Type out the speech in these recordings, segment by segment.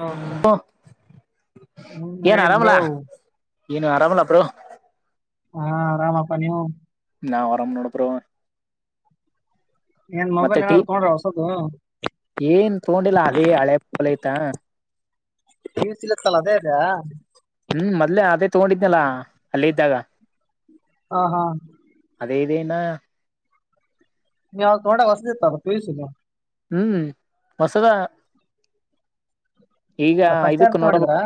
ಹಾ ಹ್ಮ್ ಹ್ಮ ಏನ್ ಹೇಳಿ ಆರಾಮಲ್ಲ ಬ್ರೌ ಏನು ಆರಾಮಲ್ಲ ಬ್ರೋ [unintelligible] ಹಾ ಆರಾಮಪ್ಪಾ ನೀವು ನಾವ್ ಆರಾಮ್ ನೋಡ್ ಬ್ರೋ ಏನ್ ಮತ್ತೆ ಮೊಬೈಲ್ ಟೀ ಏನಾದ್ರು ತೊಗೊಂಡ್ರ ಹೊಸದು ಏನ್ ತಗೊಂಡಿಲ್ಲ ಅದೇ ಹಳೆ ಪಳೈತಾ [unintelligible] ಸಿಲತ್ತಲ್ಲ ಅದೇ ಅ [unintelligible] ಹ್ಮ್ ಮೊದ್ಲೆೇ ಅದೇ ತಗೊಂಡಿದ್ನಲ್ಲ ಅಲ್ಲೇ ಇದ್ದಾಗ ಹಾ ಹಾ [unintelligible] ದೇನಾ ನೀ ತೋಡ ಕಸತ ತುಸ [unintelligible] ಹ್ಮ್ ವಸದ ಈಗ ಅದ ಫಸ್ಟ್ ಇಯರ್ ಇದಕ್ ತಗೊಂಡಿದ್ರಾ ನೋಡ್ಬೇಕು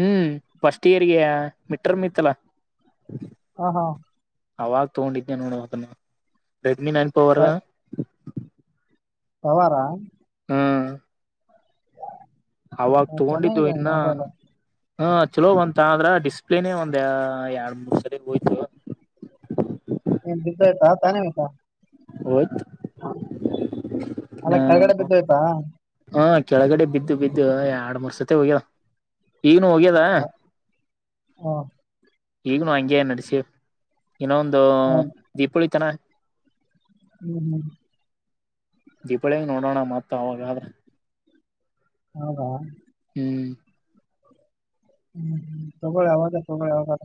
ಹ್ಮ್ ಫಸ್ಟ್ ಇಯರ್ಗೆ ಮಿಟರ್ಮ ಇತ್ತಲ ಹಾ ಹಾ ಅವಾಗ ತಗೊಂಡಿದನಿ ನೋಡ ಅದನ್ನ ರೆಡ್ಮಿ ನೈನ್ ಪೋವರ್ ಪವಾರ ಹ್ಮ್ ಅವಾಗ ತಗೊಂಡಿದ್ದು ಚೆನ್ನಾಗಿದೆ ಇನ್ನ ಮೊಬೈಲ್ ಹ ಚಲೋ ಬಂತ ಅಂದ್ರ ಡಿಸ್ಪ್ಲೇನೆೇ ಒಂದ ಎರಡ್ ಮೂರು ಸರಿ ಹೋಯ್ತವ [unintelligible] ದಗತಾನ ಮೇಕ [unintelligible] ಹೋಯ್ತು ಹ ಅಲ್ಲ ಕೆಳಗಡೆ ಬಿದ್ದಯ್ತಾ ಹಾ ಕೆಳಗಡೆ ಬಿದ್ದು ಬಿದ್ದು ಎರಡು ಮೂರು ಸತ್ತ ಹೋಗ್ಯದ ಈಗನು ಹೋಗ್ಯದ ಹ ಹ ಈಗನು ಹಂಗೆ ನಡಸಿ ಇನ್ನೊ ಒಂದು ದೀಪಳಿತನ ಹ್ಮ ಹ್ಮ್ ದೀಪಳಿಗ್ ನೋಡೋಣ ಮತ್ ಅವಾಗಾದ್ರ ಹೌ ಹಾ ಹ್ಮ್ ಹ್ಮ್ ಹ್ಮ್ ತೊಬಳ ಆವದ ತೊಬಳ ಅವಾದ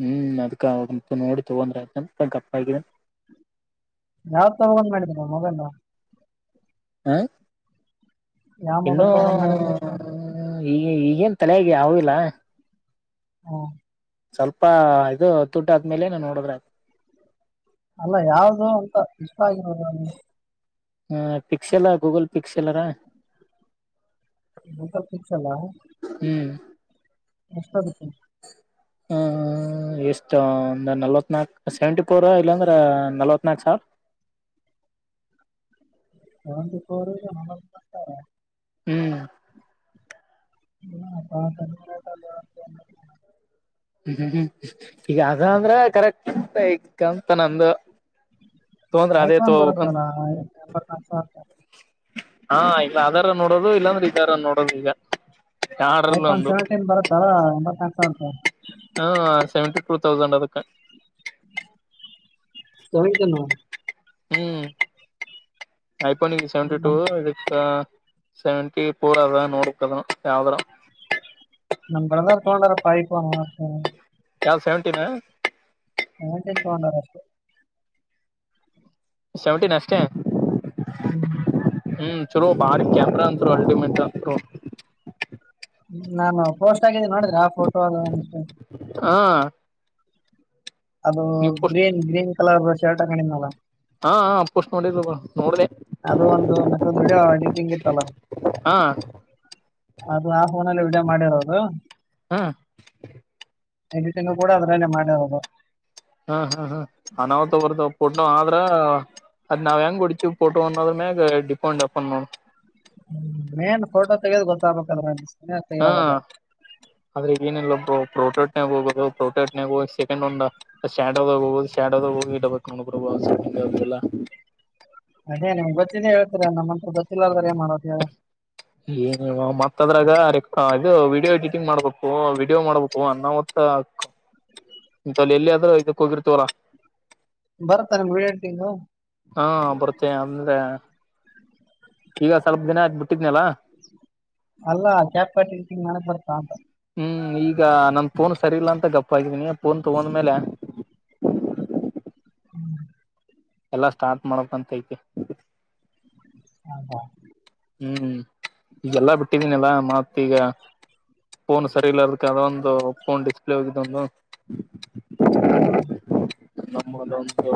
ಹ್ಮ್ ಅದ್ಕ ಅವ ನೋಡಿ ತಗೊಂಡ್ರ ಅ ಗಪ್ಪಗಿದ [unintelligible] ಯಾವ ತಗೊಂಡ್ ಮಾಡಿದರ ಮೊಬೈಲ್ ಹಾ ಯಾವ ಇನ್ನುೂ ಮೊಬೈಲ್ ತಗೊಂಡ್ ಮಾಡಿದ್ರಿ ನೆಕ್ಸ್ಟ್ ಈ ಈಗೇನ್ ತಲೆಗಿ ಯವು ಇಲ್ಲ ಹಾ ಸ್ವಲ್ಪ ಇದು ತುಟ ಆದ್ಮೇಲೆ ನೋಡದ್ರತ [unintelligible] ಅಲ್ಲ ಯಾವ್ದು ಅಂತ ಇಷ್ಟ ಆಗಿರೋದ ಹಾ ಪಿಕ್ಷೆಲ ಗೂಗಲ್ ಪಿಕ್ಕ್ಷೆಲ್ರಾ ಗೂಗಲ್ ಪಿಕ್ಸೆಲ್. ಎಷ್ಟದ. ಹ್ಮ್ ಹಂ ಎಷ್ಟ ದ ನಾಲ್ವತ್ನಾಕ್ ಸೆವೆಂಟಿ ಫೋರ್ ಇಲ್ಲಾಂದ್ರ ನಲ್ವತ್ನಾಕ ಸಾವ್ರ. [unintelligible] ಸೆವೆಂಟಿ ಫೋರ್ [inaudible] ಹ್ಮ್ ಹಾ [inaudible] ಹ್ಮ್ ಹ್ಮ್ ಹ್ಮ್ ಈಗ ಅದ ಅಂದ್ರ ಕರೆಕ್ಟ್ ಅಂತ್ ಇಕ್ಕಂತ್ ನಂದು. ತೊಂದ್ರ ಅದೇ ಐಫೋನ್ ತಗೋಬೇಕಂತ ಬರುತ್ತಲ್ ಹೆಂಬತ್ತ್ ನಾಲ್ಕ ಸಾವ್ರ ಹಾ ಇಲ್ಲ ಅದರಾ ನೋಡೋದು ಇಲ್ಲಾಂದ್ರ ಇದರಾ ನೋಡೋದು ಈಗ. ಯಾಡ್ರಲ್ಲ ಐಫೋನ್ ಒಂದು ಸೆವೆಂಟೀನ್ ಬರುತ್ತಲ್ಲ ಹೆಂಬತ್ನಾಲ್ಕ ಸಾವ್ರ ರೂಪಾಯ ಹ್ಮ ಸೆವೆಂಟಿ ಫೋರ್ ತೌಸಂಡ್ ಅದಕ್ಕ. ಸೆವೆಂಟಿನು. ಹ್ಮ್ ಐಫೋನ್ ಇದ ಸೆವೆಂಟಿ ಟೂ ನಮ್ ಆದ್ರ ಇದಕ್ಕ ಸೆವೆಂಟಿ ಫೋರ್ ಅದ ನೋಡ್ಬೇಕ್ ಅದು ಯಾವ್ದ್ರ. ನಮ್ಮ ಬ್ರದರ್ ತೊಂಡಾರ್ ಅಪ್ಪಾ ಐಫೋನ್ ಅಷ್ಟೇ. ಯಾವ ಸೆವೆಂಟೀನಾ? ಸೆವೆಂಟಿನ್ ತೊಂಡಾರ್ ಅಷ್ಟೇ. ಸೆವೆಂಟೀನ್ ಅಷ್ಟೇ. ಹ್ಮ್ ಹ್ಮ್ ಚಲೋ ಭಾರಿ ಕ್ಯಾಮ್ರಾ ಅಂತ್ರೂ ಅಲ್ಟಿಮೇಟ್ ಅಂದ್ರು. ನಾನು ಪೋಸ್ಟ್ ಆಗಿದೆ ನೋಡಿದ್ರ ಆ ಫೋಟೋ ಅದು ಒಂದಿಷ್ಟು ಅ. ಅದು ಗ್ರೀನ್ ಗ್ರೀನ್ ಕಲರ್ದ ಶರ್ಟ್ ಹಾಕೊಂಡಿದ್ನಲ್ಲ. ಹಾ ಹಾ ಪೋಸ್ಟ್ ಮಾಡಿದ್ ಅದು. ಅದು ಒಂದು ಮತ್ತೊಂದು ವಿಡಿಯೋ ಎಡಿಟಿಂಗ್ ಇತ್ತಲ್ಲ ಹಾ ಅದು ಆಗ್ ಒಂದ್ ಅದರಲ್ಲೆ ವಿಡಿಯೋ ಮಾಡಿರೋದು ಹಾ ಎಡಿಟಿಂಗೂ ಕೂಡ ಅದರಲಲ್ಲೆ ಮಾಡಿರೋದು. ಹ್ಮ್ ಹ್ಮ್ ಹ್ಮ್ ಅನಾಹುತ ಬರ್ತ ಪೋಟ್ನೂ ಆದ ಅದ್ರ ಅದ್ ನಾವ್ ಹೆಂಗ್ ಹೊಡಿತೀವಿ ಪೋಟೋ ಅನ್ನೋದ್ರ ಮ್ಯಾಗ ಡಿಪಂಡ್ ಅಪನ್ ನೋಡ್. ಮೇನ್ ಫೋಟೋ ತೆಗ್ಯದ ಗೊತ್ತಾಗ್ಬೇಕ ಅದ್ರಾಗ. ಹಾ ಆದ್ರಗ ಏನಲ್ಲಪ್ಪೋ ಪ್ರೋಟೋಟ್ನಗ ಹೋಗ ಬ್ರೋ ಪ್ರೊಟೆಸ್ಟ್ನಾಗ್ ಹೋಗಿ ಸೆಕೆಂಡ್ ಒಂದ್ ಶ್ಯಾಡೋ ದಾಗ್ ಹೋಗೋದ ಶ್ಯಾಡೋ ದಾಗ್ [unintelligible] ಎಲ್ಲಾ. [unintelligible] ಅದೇ ನಿಮ್ ಗೊತ್ತಿದೆ ಹೇಳ್ತೀರ ನಮ್ಮಂತವ್ರ ಗೊತ್ತಿಲ್ಲಾರದ್ರ ಏನ್ ಮಾಡದ ಹೇಳಿ. ಏನ ಹೇಳು ಮತ್ತ ಅದ್ರಾಗ ರೆ ಇದು ವಿಡಿಯೋ ಎಡಿಟಿಂಗ್ ಮಾಡ್ಬೇಕು ವಿಡಿಯೋ ಮಾಡ್ಬೇಕು ಅನ್ನಹೂತ್ತ ಇಂತಲ್ಲಿ ಎಲ್ಲಿ ಆದ್ರೂ ಇದಕ್ಕ ಹೋಗಿರ್ತವಲ್ಲ. ಬರತ್ತ ಏನ್ರೀ [unintelligible] ಹಾ ಬರ್ತೇ ಅಂದ್ರೆ ಈಗ ಸ್ವಲ್ಪ ದಿನ ಆಯ್ತ್ ಬಿಟ್ಟಿದ್ನಲ್ಲ ಅಲ್ಲಾ ಕ್ಯಾಪ್ ಕಟ್ಟಿ [unintelligible] ಮಾಡಕ್ ಬರತ್ತಾ ಅಂತ. ಹ್ಮ್ ಈಗ ನನ್ ಫೋನ್ ಸರಿ ಇಲ್ಲಾ ಅಂತ ಗಪ್ಪಾಗಿದ್ದೀನಿ ಫೋನ್ ತಗೊಂಡ್ಮೇಲೆ [unintelligible] ಎಲ್ಲಾ ಸ್ಟಾರ್ಟ್ ಮಾಡಕ್ಂತೈತಿ. ಹ ಹ ಹ್ಮ್ ಈಗೆಲ್ಲಾ ಬಿಟ್ಟಿದೀನಲ್ಲ ಮತ್ ಈಗ ಫೋನ್ ಸರಿ ಇಲ್ಲಾರದಕ್ಕ ಅದೊಂದು ಫೋನ್ ಡಿಸ್ಪ್ಲೇ ಹೋಗಿದ್ದೊಂದು ನಮ್ಮರ್ ಒಂದು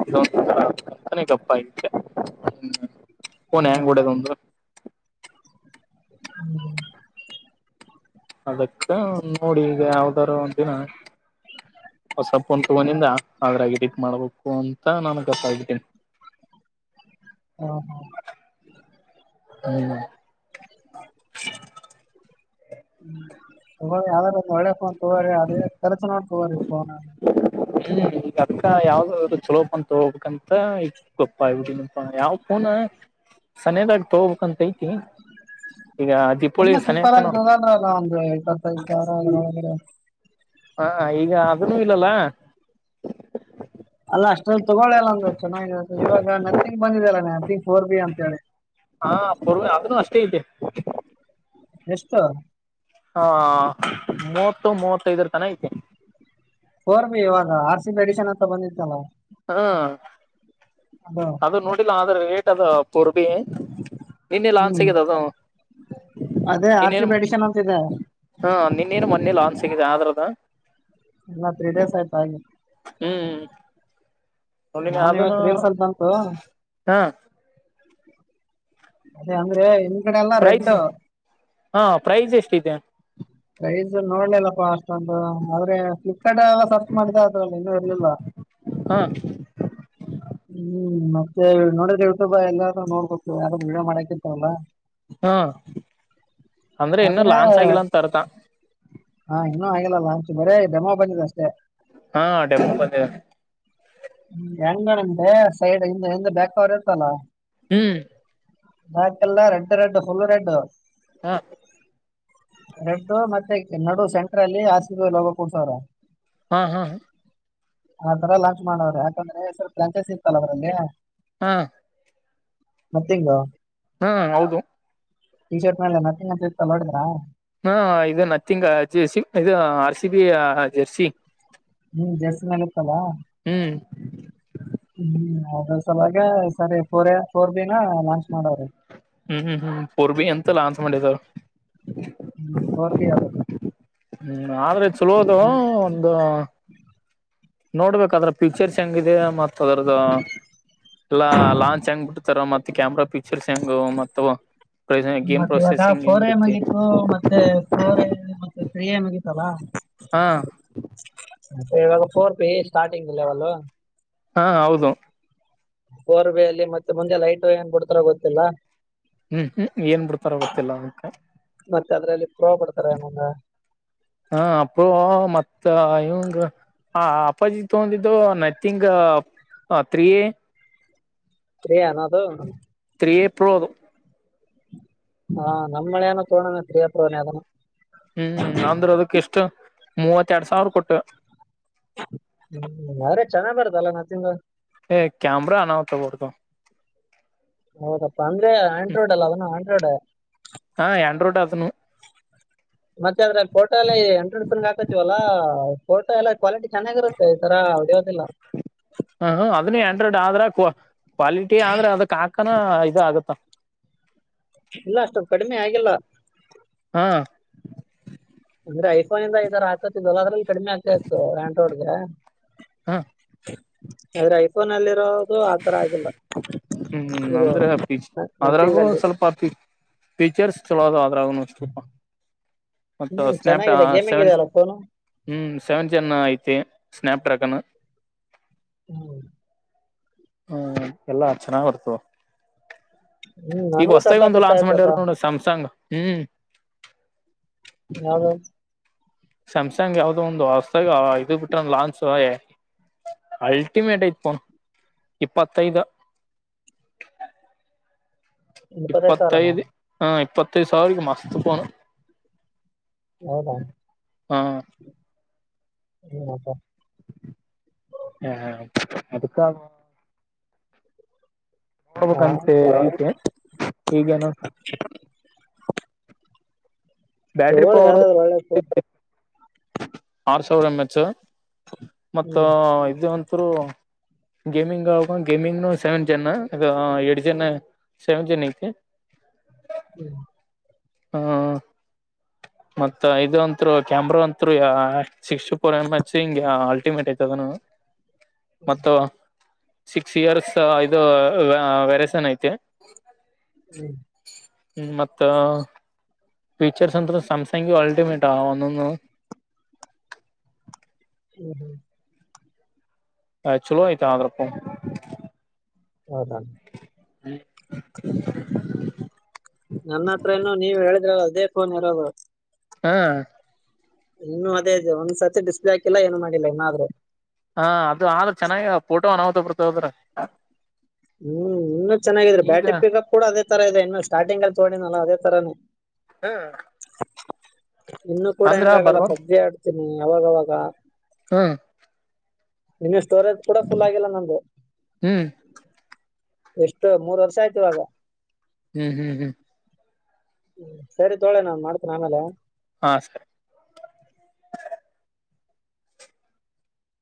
[unintelligible] ಫೋನ್ ಹೆಂಗ್ ಒಡ್ಯದ ಅಂದ್ರ [unintelligible] ಅದಕ್ಕ ನೋಡೀಗ ಯಾವ್ದಾರ ಒಂದ್ ದಿನ ಹೊಸ ಪೋನ್ ತಗೊಂಡಿಂದ ಅದ್ರಾಗಿ ಇಡಿಟ್ ಮಾಡ್ಬೇಕು ಅಂತ ನನ್ [unintelligible] ಹ್ಮ್, ಹ್ಮ್. ಹ್ಮ [inaudible] ಹ್ಮ ತಗಿ ಯಾವ್ದಾದಾರೂ ಒಳ್ಳೆ ಫೋನ್ ತೊಗೋರಿ ಅದೇ [unintelligible] ತೊಗೋರಿ ಫೋನ ಹ್ಮ ಈಗ ಅಕ್ಕ ಯಾವ್ದಾದ್ರು ಚಲೋ ಪೋನ್ ತೊಗೋಬೇಕಂತ ಈ [unintelligible] ಯಾವ ಫೋನ್ ಸಮಯದಾಗ ತಗ್ಬೇಕಂತೈ ತುಂಬಾ ಸಿಂಪಲ್ ಸನೇಕ ಆಗ ನೋಡ್ ತೊಗೋಳ್ರಲ ಒಂದು ಎಪ್ಪತ್ತೈದು ಸಾವಿರ ಹ ಈಗ ಅದನೂ ಇಲ್ಲಲ್ಲ. ಅಲ್ಲ ಅಷ್ಟ್ರಲ್ಲಿ ತಗೊಳಿಯಲ್ಲ ಒಂದ ಚೆನ್ನಾಗಿರದು ಇವಾಗ ನತಿಂಗ್ ಬಂದಿದೆ ಅಲ್ಲ ನತಿಂಗ್ ಫೋರ್ ಬಿ ಅಂತ ಹೇಳಿ. ಹಾ [unintelligible] ಅದ್ನೂ ಅಷ್ಟೇ ಇದೆ. ಎಷ್ಟು? ಹಾ ಮೂವತ್ತು ಮೂವತ್ತೈದರ ತನ ಐತೆ. ಫೋರ್ ಬಿ ಇವಾಗ ಆರ್ ಸಿ ಎಡಿಷನ್ ಅಂತ ಬಂದಿತ್ತಲ್ಲ. ಹಾ ಅದು ನೋಡಿಲ್ಲ ಆದ್ರೆ ರೇಟ್ ಅದು ಫೋರ್ಬಿ ಇನ್ನ ಲಾಂಚ್ ಹ್ಮ್ ಸಿಗದ ಅದು ಅದೇ ಆರ್ ನಿನ್ನೇ ಸಿ ಬಿ ಎಡಿಷನ್ ಅಂತಿದೆ ಹಾ ನಿನ್ನೇನು ಮೊನ್ನೇಲೊ ಲಾಂಚ್ ಆದ್ರದಾ? ಎಲ್ಲಾ ತ್ರೀ ಡೇಸ್ ಆಯ್ತು ಆಗಿ. [unintelligible] ನಾನು ಅದನೂ ಇವತ್ತು ರೀಲ್ಸ್ ಅಲ್ಲಿ ಬಂತು ಹಾ. ಅದ ಅಂದ್ರೆ ಕಡೆ ಎಲ್ಲ ರೆಡ್ ಪ್ರೖಸ್ ಹಾ ಪ್ರೈಸ್ ಎಷ್ಟಿದೆ? ಪ್ರೈಸ್ ನೋಡ್ಲಿಲ್ಲಪ್ಪಾ ಅಷ್ಟಂತ ಆದ್ರೆ ಕಡೆ ಎಲ್ಲ ಸರ್ಚ್ ಮಾಡಿದೆ ಅದ್ರಲ್ಲಿ ಒಂದೂ ಇರ್ಲಿಲ್ಲ. ಹಾ ಹ್ಮ್ ಮತ್ತೆ ನೋಡಿದ್ರೆ ಯೂಟ್ಯೂಬ್ ಹೆಂಗಾದ ನೋಡ್ಬೇಕು ಯಾರಾರ್ ವಿಡಿಯೋ ಮಾಡಕಿರ್ತಾರಲ್ಲ- ಹಾ ಅಂದ್ರೆ ಇನ್ನು ಲಾಂಚ್ ಆಗಿಲ್ಲ ಅಂತ ಅರ್ಥ. ಹಾ ಇನ್ನೂ ಆಗಿಲ್ಲ ಲಾಂಚ್ ಬರೇ ಡೆಮೋ ಬಂದಿದೆ ಅಷ್ಟೇ. ಹಾ ಡೆಮೋ ಬಂದಿದೆ. ಹೆಂಗ ಹಿಂದೆ ಸೈಡ್ ಹಿಂದ ಹಿಂದ ಬ್ಯಾಕ್ ಕವರ್ ಇರ್ತಲ್ಲ. ಹ್ಮ್ ಪಾರ್ಕೆಲ್ಲ ರೆಡ್ ರೆಡ್ಡು ಫುಲ್ಲು ರೆಡ್. ಹಾ ರೆಡ್ಡು ಮತ್ತೖತ್ ನಡು ಸೆಂಟ್ರಲ್ಲಿ ಆರ್ ಸಿ ಹೋಗ ಕುಂತಾರೆ. ಹಾ ಹಾ ಆ ತರ ಲಾಂಚ್ ಮಾಡೋವ್ರೆ ಯಾಕಂದ್ರೆ ಸ್ವಲ್ಪ ಫ್ರಾಂಚೖಸಿ ಇರ್ತಲ್ಲ ಅದ್ರಂಗೆ ಹಾ ಮತ್ತೆಂಗೊ ಹ್ಮ್ ಹೌದು. ಟೀ ಶರ್ಟ್ ಮೇಲೆ ನತ್ತಿಂಗ್ ಅಂತ ಇತ್ತು ನೋಡಿದ್ರಾ? ಹಾ [unintelligible] ಜರ್ಸಿ ಹ್ಮ್ ಜರಸಿ ಮೇಲಿತ್ತಲ್ಲ ಹ್ಮ್ ಅದ್ರ ಸಲಾಗ ಸರಿ ಫೋರ್ ಎ ಫೋರ್ ಬಿನ ಲಾಂಚ್ ಮಾಡೋರೆ. ಹ್ಮ್ ಹ್ಮ್ ಪೋರ್ಬಿ ಅಂತ ಲಾಂಚ್ ಮಾಡಿದವ್ರು. ಹ್ಮ್ ಫೋರ್ ಬಿ ಅದು. ಹ್ಮ್ ಆದ್ರೆ ಚಲೋದು ಒಂದು ನೋಡ್ಬೇಕು ಅದ್ರ ಫ್ಯೀಚರ್ಸ್ ಹೆಂಗಿದೆ ಮತ್ತ ಅದ್ರದ್ದು ಅಲ್ಲ ಲಾಂಚ್ ಹೆಂಗ್ ಬಿಡ್ತಾರ ಮತ್ತ್ ಕ್ಯಾಮ್ರಾ ಪಿಕ್ಚರ್ಸ್ ಹೆಂಗವ್ ಮತ್ತು ಮತ್ತೆ ಇವಾಗ ಫೋರ್ ಎ ಮುಗಿತ್ತು ಮತ್ತೆ ಫೋರ್ ಎ ಮತ್ತೆ ತ್ರ್ರೀ ಎ ಮುಗಿತ್ ಹಾ [unintelligible] ಮತ್ ಇವಾಗ ಫೋರ್ ಪಿ ಸ್ಟಾರ್ಟಿಂಗ್ ಲೆವೆಲ್ ಹಾ ಹೌದು. ಕೋರ್ಬೆಯಲ್ಲಿ ಮತ್ತೆ ಮುಂದೆ ಲೈಟ ಏನ್ ಕೊಡ್ತಾರ ಗೊತ್ತಿಲ್ಲ. ಹ್ಮ್ ಹ್ಮ್ ಏನ್ ಬಿಡ್ತಾರ ಗೊತ್ತಿಲ್ಲ. ಅದಕ್ಕೆ, ಮತ್ತೆ ಅದ್ರಲ್ಲಿ ಪ್ರೊ ಬೀಡ್ತಾರ. ನಂಗ, ಅಪ್ರೋ ಹ ಮತ್ತ ಇಂಗ ಆ ಅಪ್ಪಾಜಿ ತೊಂದಿದ್ದು ನಥಿಂಗ್ ಹಾ ತ್ರಿ. ತ್ರಿ ಅನ್ ಅದು. ತ್ರೀ ಪ್ರೊ ಅದು. ಹಾ ನಮ್ಮ ಅಳಿಯನು ತೋಂಡನ್ ತ್ರಿ ಪ್ರೊ ನೇ ಅದು ನು. ಹ್ಮ್ ಅಂದ್ರ ಅದಕ್ ಎಸ್ಟು ಮೂವತ್ತ ಎರಡ್ ಸಾವಿರ ಕೊಟ್ಟ. ಹ್ಮ ಆದ್ರೆ ಚೆನ್ನಾಗಿ ಬರುತ್ತಲ್ಲ ನಥಿಂಗ್. ಹ ಕ್ಯಾಮರ ಅನಾವ್ತ [unintelligible] ಹೌದಪ್ಪಾ ಅಂದ್ರೆ ಹ್ಮ್ ಆಂಡ್ರಾಯ್ಡ್, ಅಲ್ಲ ಅದನು ಆಂಡ್ರಾಯ್ಡ್, ಹಾ ಆಂಡ್ರಾಯ್ಡ್ ಅದನು ಮತ್ತೆ ಅದ್ರಲ್ಲಿ ಫೋಟೋ ಅಲ್ಲಿ ಎಂಟ್ರೆಸ್ [unintelligible] ಹಾಕತಿವಲ್ಲಾ ಫೋಟೋ ಎಲ್ಲ ಕ್ವಾಲಿಟಿ ಚೆನ್ನಾಗಿರುತ್ತೆ. ಈ ತರ, [unintelligible] ಹ ಅದನ್ನೇ ಆಂಡ್ರೈಡ್ ಆದ್ರ, ಕ್ವಾಲಿಟಿ ಆದ್ರೆ ಅದಕ್ ಹಾಕ, ಕಣ ಇದು ಆಗುತ್ತೆ. ಇಲ್ಲ ಅಷ್ಟೊದು ಕಡಿಮೆ ಆಗಿಲ್ಲ. ಹಾ, ಅಂದ್ರ ಐಫೋನ್ ಇಂದ ಇದರ [unintelligible] ಕಡಿಮೆ ಆಗ್ತ ಇತತ್ತು ಆಂಡ್ರಾಯ್ಡ್ಗೆ. ಹ ಫೋನಲ್ಲಿ ಇರೋದು, ಹ್ಮ್ ಅಂದ್ರೆ ಅಪ್ಪೀಚ್, ನಥಿಂಗ್ ಅದ್ರಾಗೂ ಒ ಅಲ್ಲಿ ಸ್ವಲ್ಪ ಅಪ್ಪಿ, ಪಿಚರ್ಸ್ ಚೊಲೋ ಅದಾವ ಅದ್ರಗನು ಸ್ವಲ್ಪ. ಮ ಹ್ಮ್ ಸ್ನ್ಯಪ್ಟ ಚೆನ್ನಾಗಿದೆ ಗೇಮಿಂಗ್ ಸೆವೆನ್ ಇದೆಯಲ್ಲ ಫೋನು ಹ್ಮ್ ಸೆವೆನ್ ಜಿ ಐತಿ. ಸ್ಯಾನ್ಪ್ಡ್ರ್ಯಾಗನ್. ಹ್ಮ. ಹ್ಮ ಎಲ್ಲಾ ಚೆನ್ನಾಗ್ ಬರ್ತದ. ಹ್ಮ್ ಈಗ ನನಗೂ ಹೊಸ್ಥಗಿ ಸಖತ್ ಒಂದು ಇಷ್ಟ ಲಾನ್ಚ ಮಾಡ್ಯಾರ್ ಆಯ್ತಪ್ಪ ನೋಡ್ ಸ್ಯಾಮ್ಸಂಗ್. ಹ್ಮ್, ಯಾವದ. ಸ್ಯಾಮ್ಸಂಗ್ ಯಾವ್ದೋ ಒಂದು ಹೊಸತಾಗಿ ಇದು ಬಿಟ್ಟನ್ ಲಾಂಚ್ ಓಯ್. ಅಲ್ಟಿಮೇಟ್ ಐತಿ ಪೋನ್. ಇಪ್ಪತೈದ, ಇಪ್ಪತ್ತೈದು ಸಾವಿರನಾ ಇಪ್ಪತ್ತೈದ ಹಾ ಇಪ್ಪತ್ತೈದು ಸಾವಿರಕ ಮಸ್ತ್ ಪೋನ್. ಹೌದಾ. ಹ್ಮ್ ಅಪ್ಪ. ಹೇ ಅದಕ್ಕ, ಹಾ ನೋಡ್ಬೇಕಂತೆ [unintelligible] ಹೀಗೇನ. ಬ್ಯಾಟ್ರಿ ತಗೊಳ್ಳಿ ಪವರ್, ಯಾವ್ದಾದ್ರು ಒಳ್ಳೆ ಫೋನ್ ಆರ್ ಸಾವಿರ ಎಂ ಎಚ್. ಮತ್ತ ಹ್ಮ್ ಇದ ಅಂತ್ರು, ಗೇಮಿಂಗ್ ಆ ಗೇಮಿಂಗ್ ಸೆವೆನ್ ಜನ ಎಡು ಜನ ಸೆವೆನ್ ಜನ್ ಐತಿ. [inaudible] ಹ್ಮ್. ಹಾ, ಮತ್ತ ಇದು ಅಂತ್ರು, ಕ್ಯಾಮ್ರಾ ಅಂತ್ರು, ಸಿಕ್ಸ್ಟಿ ಫೋರ್ ಎಮ್ ಎಚ್ ಹಿಂಗ, ಅಲ್ಟಿಮೇಟ್ ಐತಿ ಅದುನು. ಮತ್ತ, ಸಿಕ್ಸ್ ಇಯರ್ಸ್ ಇದು ವೆರಸನ್ ಐತಿ. ಹ್ಮ್. ಹ್ಮ್ ಮತ್ತ, ಫೀಚರ್ಸ್ ಅತ್ರ ಸ್ಯಾಮ್ಸಂಗ್ವು ಅಲ್ಟಿಮೇಟ ಆವ ಒಂದೊಂದು. ಹ್ಮ್ ಹ್ಮ್. ಆ ಚಲೋಯ್ತಾಂದ್ರಪ್ಪ. ಹೌದ ಹ್ಮ್ ನನ್ನ ಹತ್ರ ನು ನೀವ್ ಹೇಳಿದ್ರ ಅದೇ ಫೋನ್ ಇರೋದು ಹ್ಮ ಇನ್ನು ಅದೇ ಇದೆ ಒಂದ್ಸರ್ತಿ ಡಿಸ್ಪ್ಲೇ ಆಾಕಿಲ್ಲ ಏನು ಮಾಡಿಲ್ಲ ಇನ್ನನಾದ್ರರು ಹಾ ಅದು ಆದ್ರ ಚೆನ್ನಾಗಫೋಟೋ ಅನಾವತ ಬರ್ತ ಹದ್ರ ಹ್ಮ್ ಇನ್ನುೂ ಚೆನ್ನಾಗಿದ್ರಿ ಬ್ಯಾಟ್ರಿ ಪಿಕಪ್ ಕೂಡ ಅದೇ ತರ ಇದೆ ಇನ್ನು ಸ್ಟಾರ್ಟಿಂಗ್ ಅಲ್ಲಿ ತಗೊಂಡ ನಾನ ಅದೇ ತರಾನೇ ಹ್ಮ್ ಇನ್ನು ಕೂಡಾ ಹೆಂಗಾಗಲ್ಲ ಪಬ್ಜಿ ಆಡ್ತೀನಿ ಯಾವಾಗವಾಗ ಹ್ಮ ನಿನ್ನ ಸ್ಟೋರೇಜ್ ಕೂಡ ಫುಲ್ ಆಗಿಲ್ಲ ನಮ್ದು ಹ್ಮ್ ಎಷ್ಟು ಮೂರ್ ವರ್ಷ ಆಯ್ತುವಾಗ ಹ್ಮ್ ಹ್ಮ್ ಹ್ಮ್ ್ಮ ಸರಿ ತೋಳೆ ನಾನ್ ಮಾಡ್ತೇನೆ ಆಮೇಲೆ ಹಾ ಸರಿ